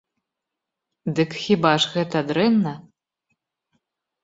Дык хіба ж гэта дрэнна?